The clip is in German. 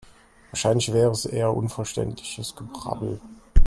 Wahrscheinlich wäre es eher unverständliches Gebrabbel.